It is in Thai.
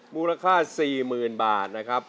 มูลค่า๔๐๐๐บาทนะครับ